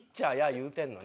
言うてんのに。